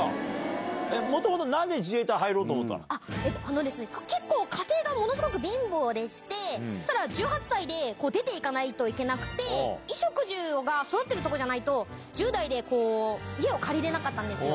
もともとなんで自衛隊入ろうあっ、結構家庭がものすごく貧乏でして、１８歳で、出ていかないといけなくて、衣食住がそろってるところじゃないと、１０代で家を借りれなかったんですよ。